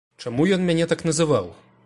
Чаму ён мяне так называў?